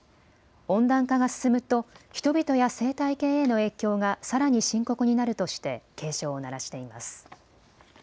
温暖化が進むと人々や生態系への影響がさらに深刻になるとして警鐘を鳴らしています。